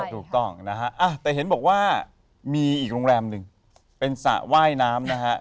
ถูกต้องนะฮะแต่เห็นบอกว่ามีอีกโรงแรมหนึ่งเป็นสระว่ายน้ำนะฮะ